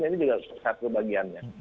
ini juga satu bagiannya